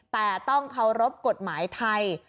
แต่ต้องเคารพกฎหมายไทย